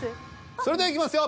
それではいきますよ。